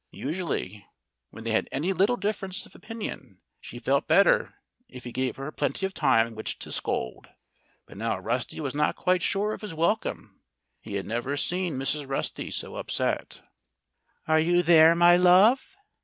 Usually, when they had any little difference of opinion, she felt better if he gave her plenty of time in which to scold. But now Rusty was not quite sure of his welcome. He had never seen Mrs. Rusty so upset. "Are you there, my love?"